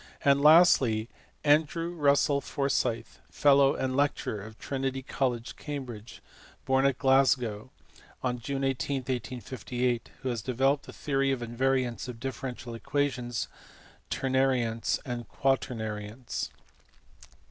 And lastly Andrew Russell Forsyth, fellow and lecturer of Trinity College, Cambridge, born at Glasgow on June 18, 1858, who has developed the theory of invariants of differential equations, ternariants, and quaternariants.